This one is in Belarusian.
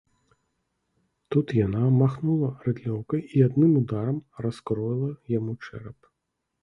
Тут яна махнула рыдлёўкай і адным ударам раскроіла яму чэрап.